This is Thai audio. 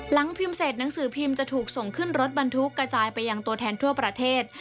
หลังพิมพ์เสร็จหนังสือพิมพ์จะถูกส่งขึ้นรถบรรทุกกระจายไปยังตัวแทนทั่วประเทศ